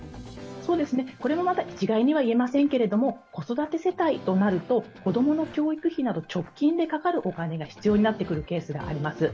これもまた一概には言えませんけれども、子育て世帯となると子供の教育費など直近でかかってくるケースがあります。